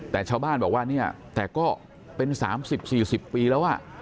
แต่ชาวบ้านบอกว่าเนี่ยแต่ก็เป็นสามสิบสี่สิบปีแล้วว่า